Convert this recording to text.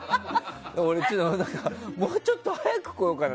もうちょっと早く来ようかな。